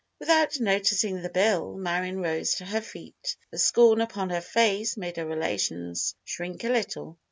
Without noticing the bill, Marion rose to her feet. The scorn upon her face made her relations shrink a little.